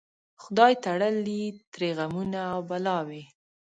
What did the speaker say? خدای تړلي ترې غمونه او بلاوي